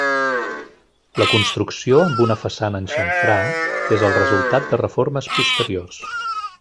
La construcció, amb una façana en xamfrà, és el resultat de reformes posteriors.